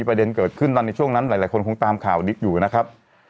ประเด็นเกิดขึ้นตอนในช่วงนั้นหลายคนคงตามข่าวอยู่นะครับ